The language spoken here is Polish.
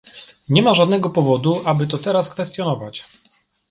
Nie ma żadnego powodu, aby to teraz kwestionować